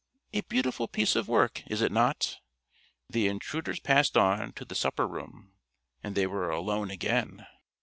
A beautiful piece of work, is it not?" The intruders passed on to the supper room, and they were alone again.